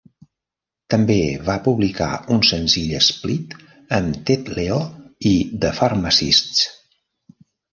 També va publicar un senzill split amb Ted Leo i The Pharmacists.